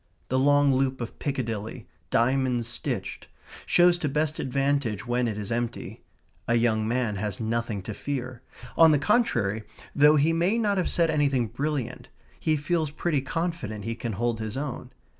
The long loop of Piccadilly, diamond stitched, shows to best advantage when it is empty. A young man has nothing to fear. On the contrary, though he may not have said anything brilliant, he feels pretty confident he can hold his own.